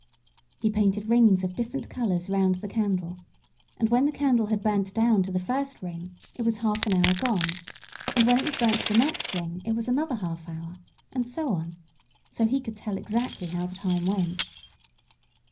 He painted rings of different colours round the candle, and when the candle had burnt down to the first ring it was half an hour gone, and when it was burnt to the next ring it was another half hour, and so on. So he could tell exactly how the time went.